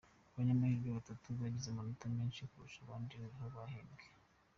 Abanyamahirwe batatu bagize amanota menshi kurusha abandi nibo bahembwe.